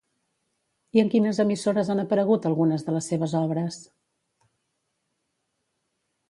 I en quines emissores han aparegut algunes de les seves obres?